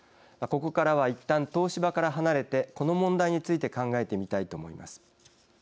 ここからはいったん、東芝から離れてこの問題について考えてみたいと思います。